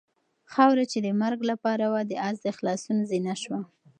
خاوره چې د مرګ لپاره وه د آس د خلاصون زینه شوه.